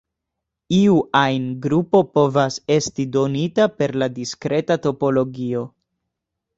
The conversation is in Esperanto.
Iu ajn grupo povas esti donita per la diskreta topologio.